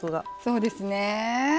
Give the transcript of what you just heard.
そうですね。